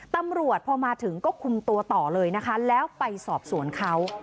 ตำรวจพอมาถึงก็คุมตัวต่อเลยนะคะแล้วไปสอบสวนเขา